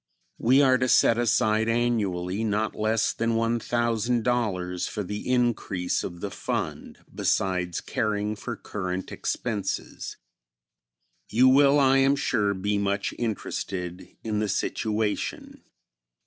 We are to set aside annually not less than $1,000 for the increase of the fund, besides caring for current expenses. You will, I am sure, be much interested in the situation.